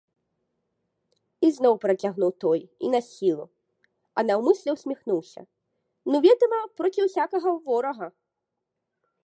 — ізноў працягнуў той і насілу, а наўмысля ўсміхнуўся, — ну, ведама, проці ўсякага ворага…